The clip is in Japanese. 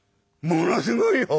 「ものすごいよ」。